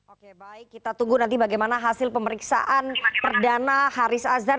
oke baik kita tunggu nanti bagaimana hasil pemeriksaan perdana haris azhar